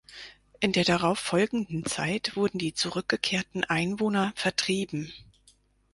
In der darauf folgenden Zeit wurden die zurückgekehrten Einwohner vertrieben.